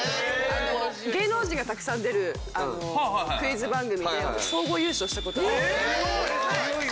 芸能人がたくさん出るクイズ番組で私総合優勝した事あるはい。